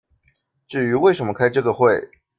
至於為什麼開這個會